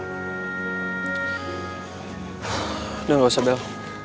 udah gak usah bel